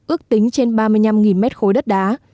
ước tính trên ba mươi năm m ba đất đá